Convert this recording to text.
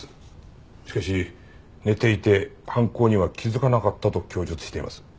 しかし寝ていて犯行には気づかなかったと供述しています。